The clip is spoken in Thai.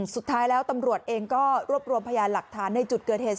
สุดท้ายแล้วตำรวจเองก็รวบรวมพยานหลักฐานในจุดเกิดเหตุ